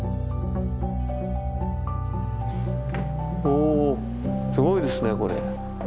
おすごいですねこれ。